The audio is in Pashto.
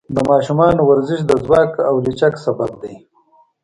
د ماشومانو ورزش د ځواک او لچک سبب دی.